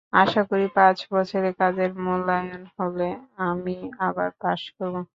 আশা করি, পাঁচ বছরের কাজের মূল্যায়ন হলে আমি আবার পাস করব।